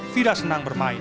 fida senang bermain